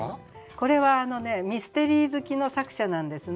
これはミステリー好きの作者なんですね。